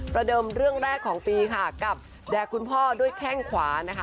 เริ่มเรื่องแรกของปีค่ะกับแดกคุณพ่อด้วยแข้งขวานะคะ